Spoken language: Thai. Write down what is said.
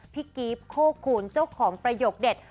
เพียบโคคุนเจ้าของประหยกเด็ด